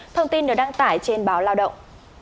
thông tin được đăng tải trên báo lao động